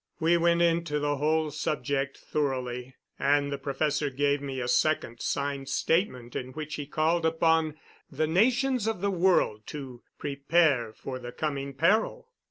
We went into the whole subject thoroughly, and the professor gave me a second signed statement in which he called upon the nations of the world to prepare for the coming peril.